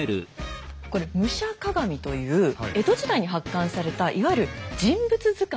これ「武者鑑」という江戸時代に発刊されたいわゆる人物図鑑なんですよ。